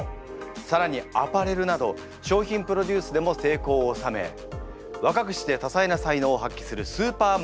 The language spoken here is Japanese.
更にアパレルなど商品プロデュースでも成功を収め若くして多彩な才能を発揮するスーパーマルチタレントであります。